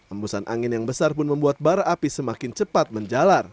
embusan angin yang besar pun membuat bara api semakin cepat menjalar